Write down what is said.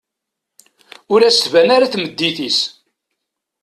Ur as-tban ara tmeddit-is.